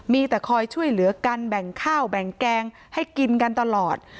มีแต่คอยช่วยเหลือกันแบ่งข้าวแบ่งแกงให้กินกันตลอด